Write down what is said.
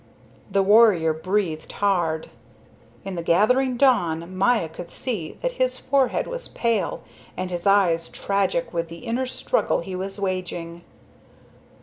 The warrior breathed hard. In the gathering dawn Maya could see that his forehead was pale and his eyes tragic with the inner struggle he was waging.